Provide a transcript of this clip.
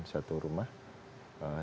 kita melakukan penggrebekan di rumah